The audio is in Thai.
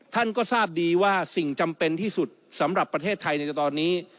ท่านก็ทราบดีว่าสิ่งจำเป็นที่สุดสำหรับประเทศไทยในตอนนี้